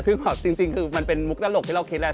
คือแบบจริงคือมันเป็นมุกตลกที่เราคิดแหละ